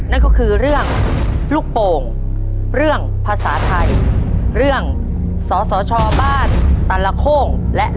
ชอบบ้านตลโค่งและเลือกเบิร์นปธุมราช